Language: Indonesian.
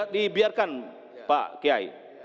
dibiarkan pak kiai